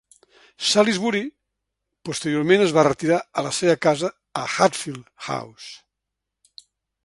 Salisbury posteriorment es va retirar a la seva casa a Hatfield House.